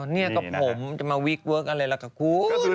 นี่ก็ผมจะมาวิกเวิร์คอะไรล่ะกับคุณ